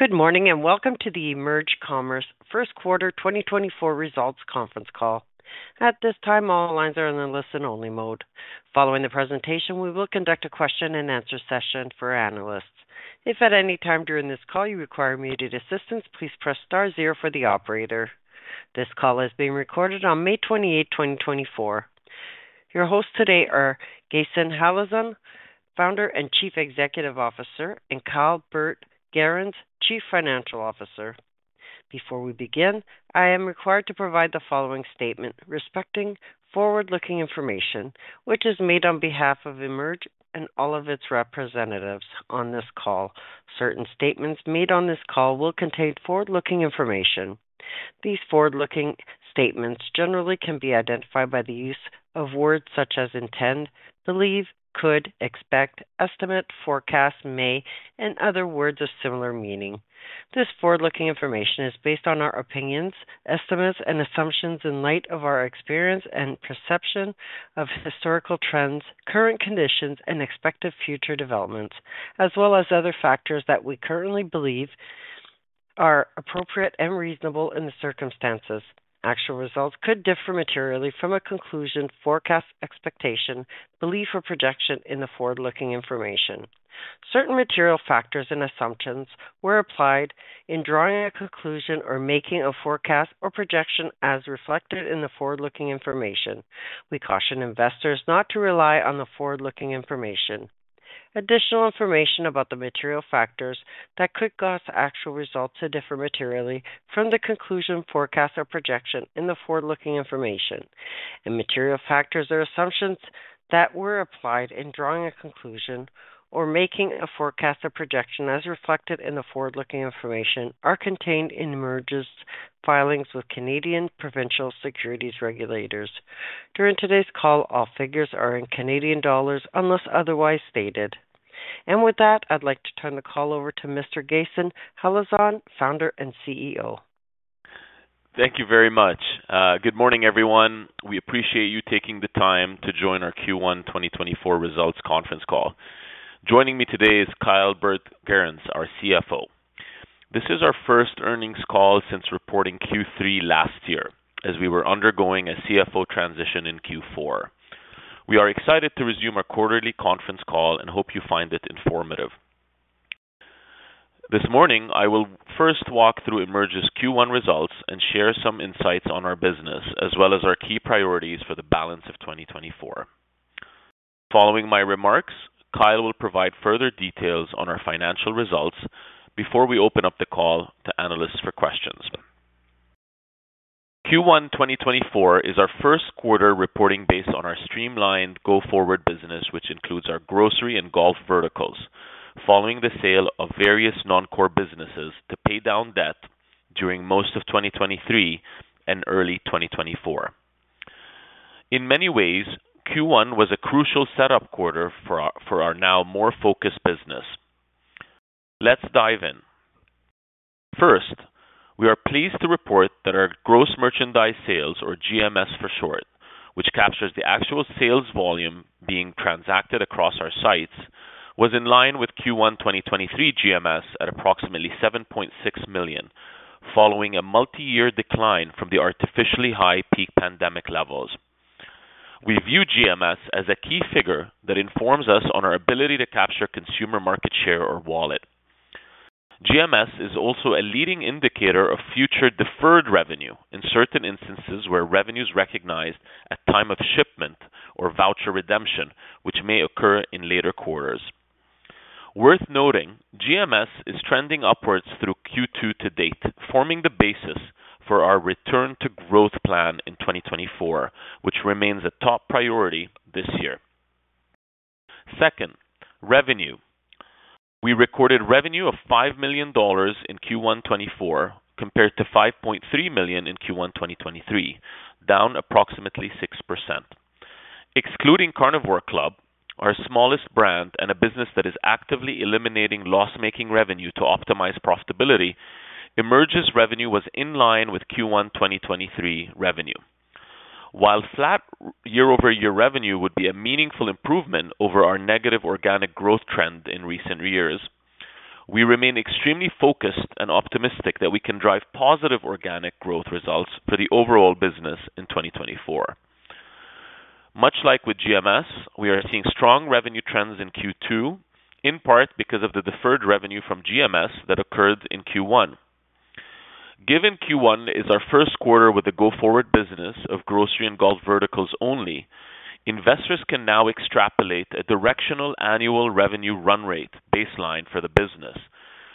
Good morning, and welcome to the EMERGE Commerce First Quarter 2024 Results Conference Call. At this time, all lines are in listen-only mode. Following the presentation, we will conduct a question-and-answer session for analysts. If at any time during this call you require immediate assistance, please press Star Zero for the operator. This call is being recorded on May 28, 2024. Your hosts today are Ghassan Halazon, Founder and Chief Executive Officer, and Kyle Burt-Gerrans, Chief Financial Officer. Before we begin, I am required to provide the following statement respecting forward-looking information, which is made on behalf of EMERGE and all of its representatives on this call. Certain statements made on this call will contain forward-looking information. These forward-looking statements generally can be identified by the use of words such as intend, believe, could, expect, estimate, forecast, may, and other words of similar meaning. This forward-looking information is based on our opinions, estimates, and assumptions in light of our experience and perception of historical trends, current conditions, and expected future developments, as well as other factors that we currently believe are appropriate and reasonable in the circumstances. Actual results could differ materially from a conclusion, forecast, expectation, belief, or projection in the forward-looking information. Certain material factors and assumptions were applied in drawing a conclusion or making a forecast or projection as reflected in the forward-looking information. We caution investors not to rely on the forward-looking information. Additional information about the material factors that could cause actual results to differ materially from the conclusion, forecast or projection in the forward-looking information and material factors or assumptions that were applied in drawing a conclusion or making a forecast or projection as reflected in the forward-looking information are contained in EMERGE's filings with Canadian Provincial Securities Regulators. During today's call, all figures are in Canadian dollars, unless otherwise stated. With that, I'd like to turn the call over to Mr. Ghassan Halazon, Founder and CEO. Thank you very much. Good morning, everyone. We appreciate you taking the time to join our Q1 2024 Results Conference Call. Joining me today is Kyle Burt-Gerrans, our CFO. This is our first earnings call since reporting Q3 last year as we were undergoing a CFO transition in Q4. We are excited to resume our quarterly conference call and hope you find it informative. This morning, I will first walk through EMERGE's Q1 results and share some insights on our business, as well as our key priorities for the balance of 2024. Following my remarks, Kyle will provide further details on our financial results before we open up the call to analysts for questions. Q1 2024 is our first quarter reporting based on our streamlined go-forward business, which includes our grocery and golf verticals, following the sale of various non-core businesses to pay down debt during most of 2023 and early 2024. In many ways, Q1 was a crucial setup quarter for our, for our now more focused business. Let's dive in. First, we are pleased to report that our gross merchandise sales, or GMS for short, which captures the actual sales volume being transacted across our sites, was in line with Q1 2023 GMS at approximately 7.6 million, following a multi-year decline from the artificially high peak pandemic levels. We view GMS as a key figure that informs us on our ability to capture consumer market share or wallet. GMS is also a leading indicator of future deferred revenue in certain instances where revenue is recognized at time of shipment or voucher redemption, which may occur in later quarters. Worth noting, GMS is trending upwards through Q2 to date, forming the basis for our return to growth plan in 2024, which remains a top priority this year. Second, revenue. We recorded revenue of 5 million dollars in Q1 2024, compared to 5.3 million in Q1 2023, down approximately 6%. Excluding Carnivore Club, our smallest brand, and a business that is actively eliminating loss-making revenue to optimize profitability, EMERGE's revenue was in line with Q1 2023 revenue. While flat year-over-year revenue would be a meaningful improvement over our negative organic growth trend in recent years, we remain extremely focused and optimistic that we can drive positive organic growth results for the overall business in 2024. Much like with GMS, we are seeing strong revenue trends in Q2, in part because of the deferred revenue from GMS that occurred in Q1. Given Q1 is our first quarter with a go-forward business of grocery and golf verticals only, investors can now extrapolate a directional annual revenue run rate baseline for the business,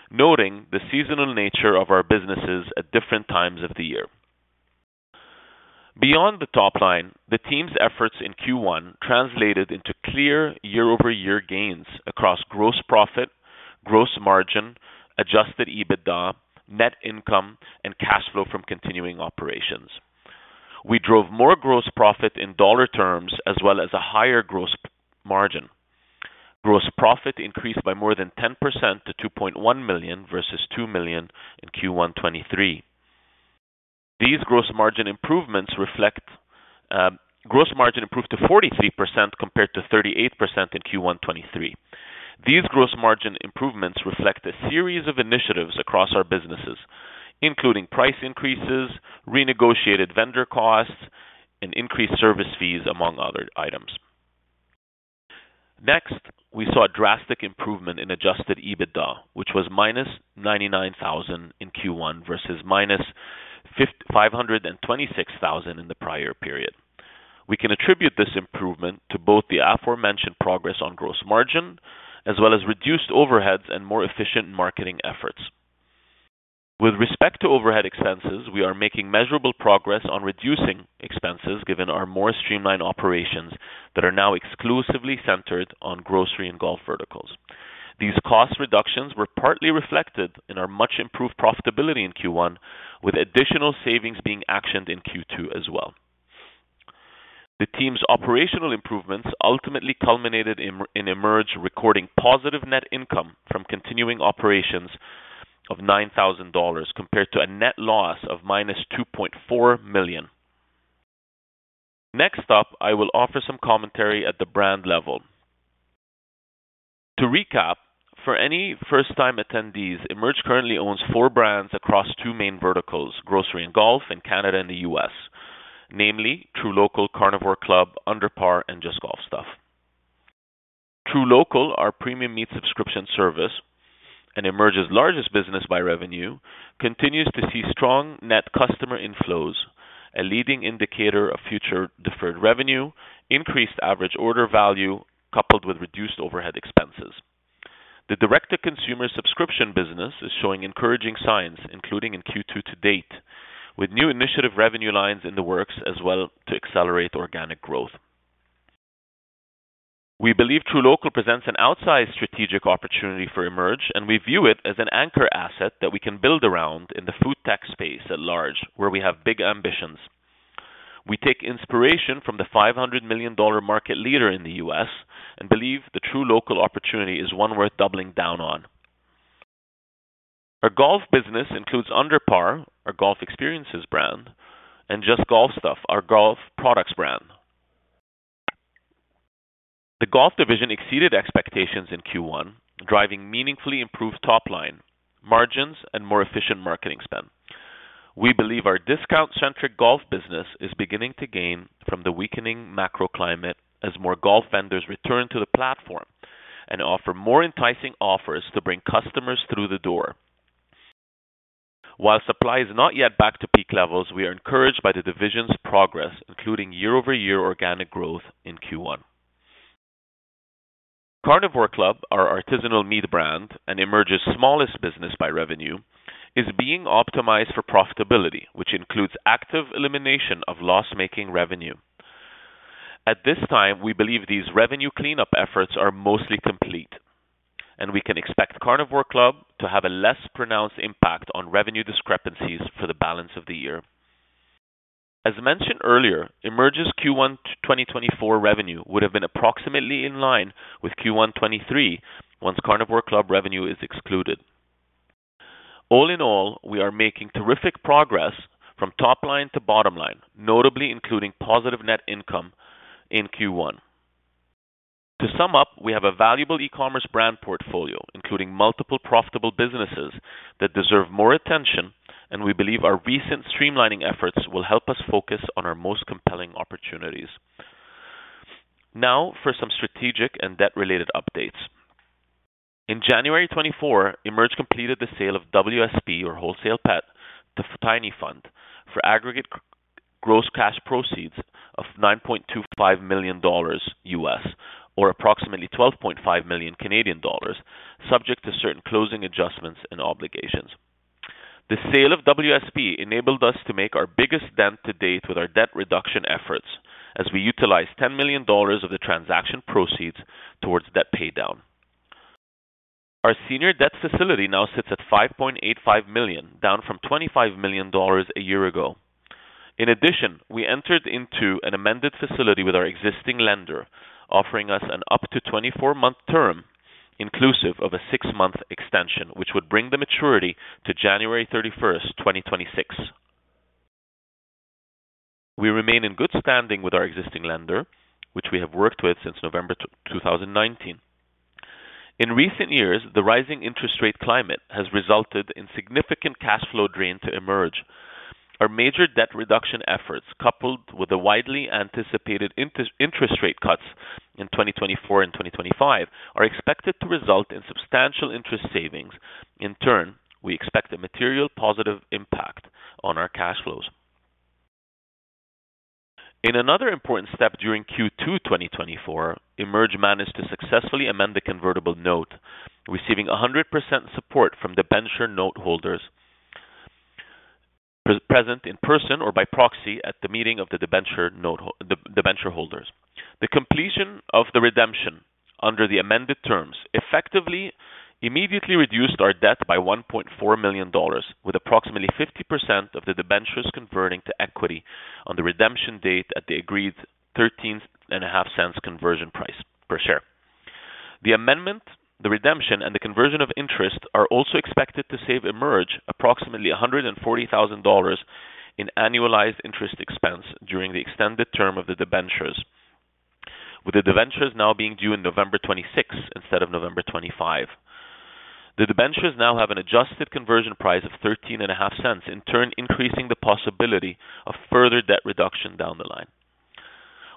noting the seasonal nature of our businesses at different times of the year. Beyond the top line, the team's efforts in Q1 translated into clear year-over-year gains across gross profit, gross margin, Adjusted EBITDA, net income, and cash flow from continuing operations. We drove more gross profit in dollar terms as well as a higher gross margin. Gross profit increased by more than 10% to 2.1 million versus 2 million in Q1 2023. These gross margin improvements reflect, gross margin improved to 43% compared to 38% in Q1 2023. These gross margin improvements reflect a series of initiatives across our businesses, including price increases, renegotiated vendor costs, and increased service fees, among other items. Next, we saw a drastic improvement in adjusted EBITDA, which was -99 thousand in Q1 versus -526 thousand in the prior period. We can attribute this improvement to both the aforementioned progress on gross margin, as well as reduced overheads and more efficient marketing efforts. With respect to overhead expenses, we are making measurable progress on reducing expenses, given our more streamlined operations that are now exclusively centered on grocery and golf verticals. These cost reductions were partly reflected in our much improved profitability in Q1, with additional savings being actioned in Q2 as well. The team's operational improvements ultimately culminated in Emerge recording positive net income from continuing operations of 9,000 dollars, compared to a net loss of -2.4 million. Next up, I will offer some commentary at the brand level. To recap, for any first-time attendees, Emerge currently owns four brands across two main verticals, grocery and golf in Canada and the US, namely truLOCAL, Carnivore Club, UnderPar, and Just Golf Stuff. truLOCAL, our premium meat subscription service, and EMERGE's largest business by revenue, continues to see strong net customer inflows, a leading indicator of future deferred revenue, increased average order value, coupled with reduced overhead expenses. The direct-to-consumer subscription business is showing encouraging signs, including in Q2 to date, with new initiative revenue lines in the works as well to accelerate organic growth. We believe truLOCAL presents an outsized strategic opportunity for EMERGE, and we view it as an anchor asset that we can build around in the food tech space at large, where we have big ambitions. We take inspiration from the $500 million market leader in the U.S. and believe the truLOCAL opportunity is one worth doubling down on. Our golf business includes UnderPar, our golf experiences brand, and Just Golf Stuff, our golf products brand. The golf division exceeded expectations in Q1, driving meaningfully improved top line margins and more efficient marketing spend. We believe our discount-centric golf business is beginning to gain from the weakening macro climate as more golf vendors return to the platform and offer more enticing offers to bring customers through the door. While supply is not yet back to peak levels, we are encouraged by the division's progress, including year-over-year organic growth in Q1. Carnivore Club, our artisanal meat brand and EMERGE's smallest business by revenue, is being optimized for profitability, which includes active elimination of loss-making revenue. At this time, we believe these revenue cleanup efforts are mostly complete, and we can expect Carnivore Club to have a less pronounced impact on revenue discrepancies for the balance of the year. As mentioned earlier, EMERGE's Q1 2024 revenue would have been approximately in line with Q1 2023 once Carnivore Club revenue is excluded. All in all, we are making terrific progress from top line to bottom line, notably including positive net income in Q1. To sum up, we have a valuable e-commerce brand portfolio, including multiple profitable businesses that deserve more attention, and we believe our recent streamlining efforts will help us focus on our most compelling opportunities. Now for some strategic and debt-related updates. In January 2024, EMERGE completed the sale of WSP, or WholesalePet, to Tiny Fund for aggregate gross cash proceeds of $9.25 million, or approximately 12.5 million Canadian dollars, subject to certain closing adjustments and obligations. The sale of WSP enabled us to make our biggest dent to date with our debt reduction efforts as we utilized 10 million dollars of the transaction proceeds towards debt paydown. Our senior debt facility now sits at 5.85 million, down from 25 million dollars a year ago. In addition, we entered into an amended facility with our existing lender, offering us an up to 24-month term, inclusive of a six-month extension, which would bring the maturity to January 31, 2026. We remain in good standing with our existing lender, which we have worked with since November 2019. In recent years, the rising interest rate climate has resulted in significant cash flow drain to EMERGE. Our major debt reduction efforts, coupled with the widely anticipated interest rate cuts in 2024 and 2025, are expected to result in substantial interest savings. In turn, we expect a material positive impact on our cash flows. In another important step during Q2 2024, EMERGE managed to successfully amend the convertible note, receiving 100% support from debenture note holders present in person or by proxy at the meeting of the debenture note holders. The completion of the redemption under the amended terms effectively immediately reduced our debt by 1.4 million dollars, with approximately 50% of the debentures converting to equity on the redemption date at the agreed 0.135 conversion price per share. The amendment, the redemption, and the conversion of interest are also expected to save EMERGE approximately 140,000 dollars in annualized interest expense during the extended term of the debentures, with the debentures now being due on November '26, instead of November '25. The debentures now have an adjusted conversion price of 0.135, in turn, increasing the possibility of further debt reduction down the line.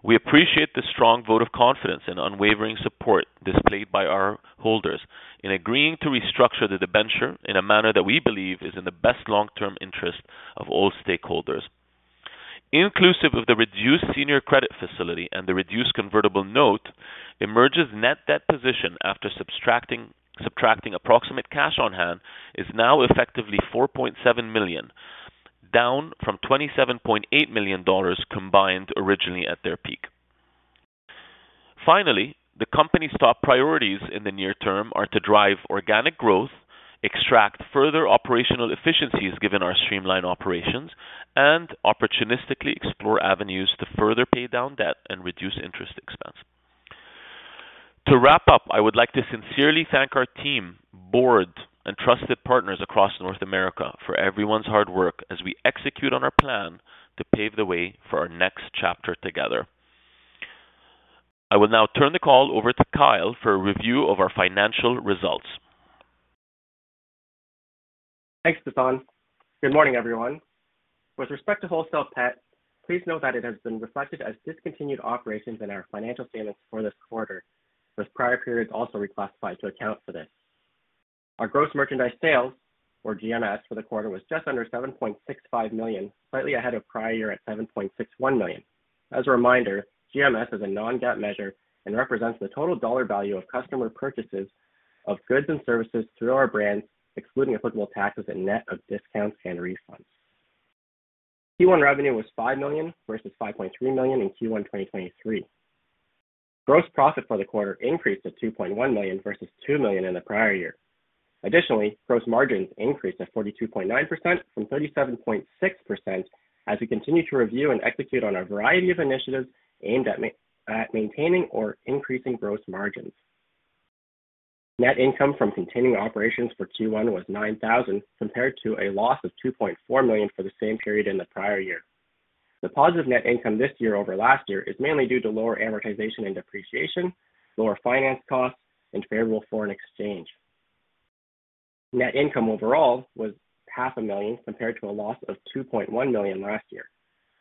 We appreciate the strong vote of confidence and unwavering support displayed by our holders in agreeing to restructure the debenture in a manner that we believe is in the best long-term interest of all stakeholders. Inclusive of the reduced senior credit facility and the reduced convertible note, EMERGE's net debt position, after subtracting approximate cash on hand, is now effectively 4.7 million, down from 27.8 million dollars combined originally at their peak. Finally, the company's top priorities in the near term are to drive organic growth, extract further operational efficiencies, given our streamlined operations, and opportunistically explore avenues to further pay down debt and reduce interest expense. To wrap up, I would like to sincerely thank our team, board, and trusted partners across North America for everyone's hard work as we execute on our plan to pave the way for our next chapter together. I will now turn the call over to Kyle for a review of our financial results. Thanks, Ghassan. Good morning, everyone. With respect to WholesalePet, please note that it has been reflected as discontinued operations in our financial statements for this quarter, with prior periods also reclassified to account for this. Our gross merchandise sales, or GMS, for the quarter, was just under 7.65 million, slightly ahead of prior year at 7.61 million. As a reminder, GMS is a non-GAAP measure and represents the total dollar value of customer purchases of goods and services through our brands, excluding applicable taxes and net of discounts and refunds. Q1 revenue was 5 million versus 5.3 million in Q1 2023. Gross profit for the quarter increased to 2.1 million versus 2 million in the prior year. Additionally, gross margins increased to 42.9% from 37.6% as we continue to review and execute on a variety of initiatives aimed at maintaining or increasing gross margins. Net income from continuing operations for Q1 was 9,000, compared to a loss of 2.4 million for the same period in the prior year. The positive net income this year over last year is mainly due to lower amortization and depreciation, lower finance costs, and favorable foreign exchange. Net income overall was 500,000, compared to a loss of 2.1 million last year.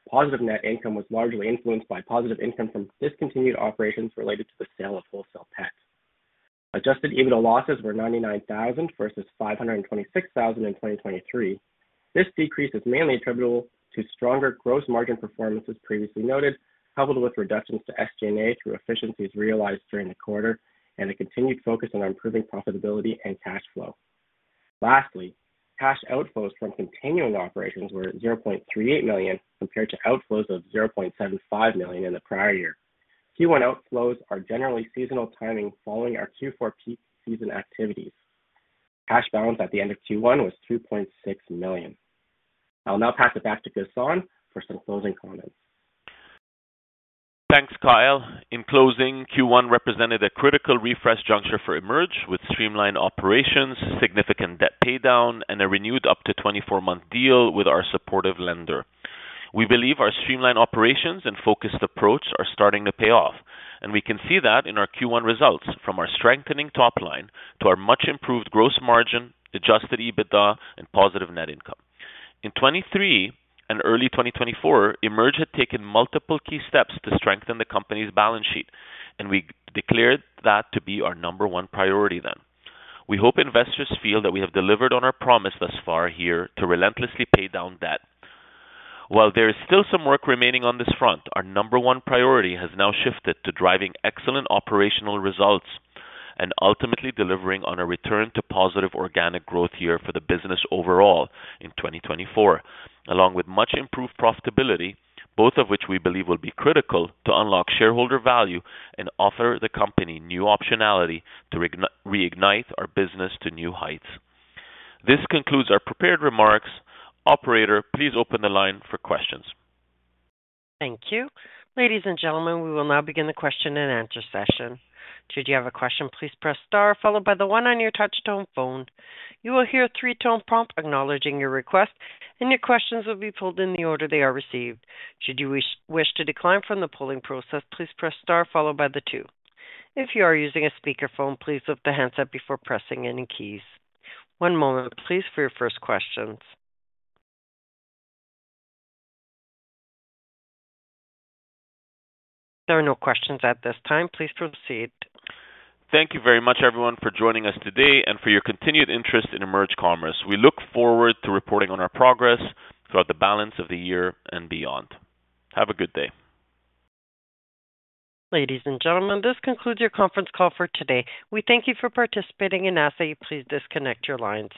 Positive net income was largely influenced by positive income from discontinued operations related to the sale of WholesalePet. Adjusted EBITDA losses were 99,000 versus 526,000 in 2023. This decrease is mainly attributable to stronger gross margin performances previously noted, coupled with reductions to SG&A through efficiencies realized during the quarter and a continued focus on improving profitability and cash flow. Lastly, cash outflows from continuing operations were 0.38 million, compared to outflows of 0.75 million in the prior year. Q1 outflows are generally seasonal, timing following our Q4 peak season activities. Cash balance at the end of Q1 was 2.6 million. I'll now pass it back to Ghassan for some closing comments. Thanks, Kyle. In closing, Q1 represented a critical refresh juncture for Emerge, with streamlined operations, significant debt paydown, and a renewed up to 24-month deal with our supportive lender. We believe our streamlined operations and focused approach are starting to pay off, and we can see that in our Q1 results, from our strengthening top line to our much-improved gross margin, Adjusted EBITDA, and positive net income. In 2023 and early 2024, Emerge had taken multiple key steps to strengthen the company's balance sheet, and we declared that to be our number one priority then. We hope investors feel that we have delivered on our promise thus far here to relentlessly pay down debt. While there is still some work remaining on this front, our number one priority has now shifted to driving excellent operational results and ultimately delivering on a return to positive organic growth year for the business overall in 2024, along with much improved profitability, both of which we believe will be critical to unlock shareholder value and offer the company new optionality to reignite our business to new heights. This concludes our prepared remarks. Operator, please open the line for questions. Thank you. Ladies and gentlemen, we will now begin the question and answer session. Should you have a question, please press star followed by the 1 on your touchtone phone. You will hear a 3-tone prompt acknowledging your request, and your questions will be pulled in the order they are received. Should you wish to decline from the polling process, please press star followed by the 2. If you are using a speakerphone, please lift the handset before pressing any keys. One moment please, for your first questions. There are no questions at this time. Please proceed. Thank you very much, everyone, for joining us today and for your continued interest in EMERGE Commerce. We look forward to reporting on our progress throughout the balance of the year and beyond. Have a good day. Ladies and gentlemen, this concludes your conference call for today. We thank you for participating, and as for you, please disconnect your lines.